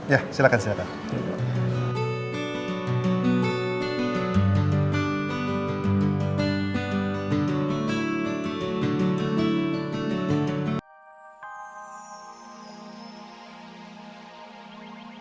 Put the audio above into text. ya silahkan silahkan